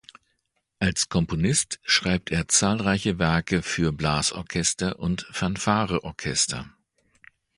Als Komponist schreibt er zahlreiche Werke für Blasorchester und Fanfare-Orchester.